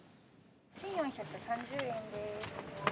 １，４３０円です。